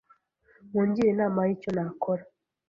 Mungire inama y’icyo nakora